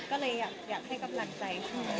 ก็เลยอยากให้กำลังใจพ่อ